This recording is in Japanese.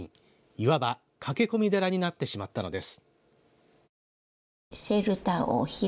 いわば、駆け込み寺になってしまったのです。